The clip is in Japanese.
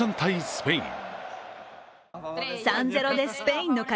スペイン。